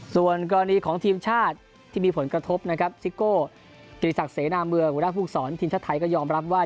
ส่วนกรณีของทีมชาติที่มีผลกระทบนะครับซิโก้กิริสักเสนาเมืองหัวหน้าภูมิสอนทีมชาติไทยก็ยอมรับว่า